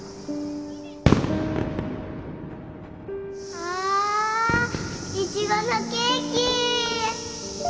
あいちごのケーキ！